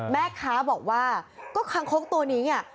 แม่ค้าบอกว่าก็คางคกตัวนี้